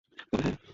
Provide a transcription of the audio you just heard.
তবে, হ্যাঁ।